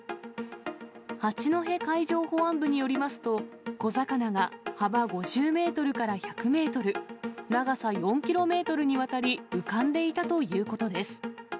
八戸海上保安部によりますと、小魚が幅５０メートルから１００メートル、長さ４キロメートルにわたり、浮かんでいたということです。